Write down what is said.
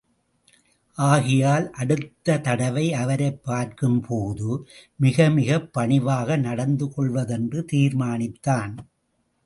ஆகையால், அடுத்த தடவை அவரைப் பார்க்கும்போது, மிகமிகப் பணிவாக நடந்து கொள்வதென்று தீர்மானித்தான்.